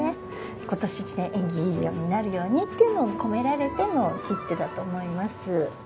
今年１年縁起がいいようになるようにっていうのを込められての切手だと思います。